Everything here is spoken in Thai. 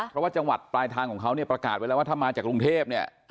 เพราะว่าจังหวัดปลายทางของเขาเนี่ยประกาศไว้แล้วว่าถ้ามาจากกรุงเทพเนี่ย